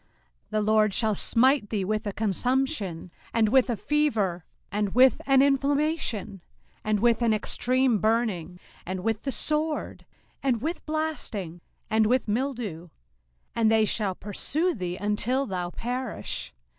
05:028:022 The LORD shall smite thee with a consumption, and with a fever, and with an inflammation, and with an extreme burning, and with the sword, and with blasting, and with mildew; and they shall pursue thee until thou perish.